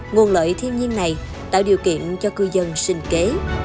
nguồn lợi thiên nhiên này tạo điều kiện cho cư dân sinh kế